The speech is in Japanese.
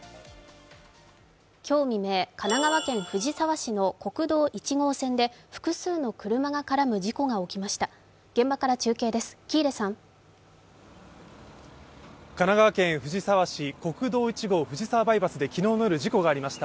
今日未明、神奈川県藤沢市の国道１号線で複数の車が絡む事故が起きました。